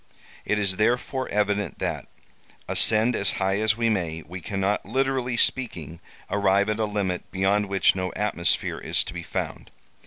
It is therefore evident that, ascend as high as we may, we cannot, literally speaking, arrive at a limit beyond which no atmosphere is to be found.